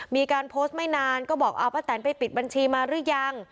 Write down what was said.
มีการโพสต์ไม่นานก็บอกเอาป้าแตนไปปิดบัญชีมาหรือยัง